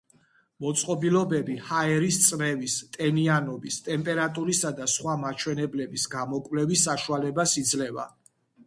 მოწყობილობები ჰაერის წნევის, ტენიანობის, ტემპერატურისა და სხვა მაჩვენებლების გამოკვლევის საშუალებას იძლევა.